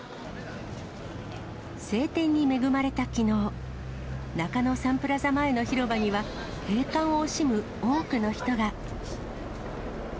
晴天に恵まれたきのう、中野サンプラザ前の広場には、閉館を惜しむ多くの人が。